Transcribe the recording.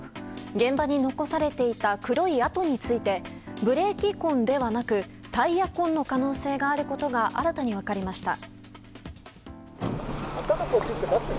現場に残されていた黒い跡についてブレーキ痕ではなくタイヤ痕の可能性があることが新たに分かりました。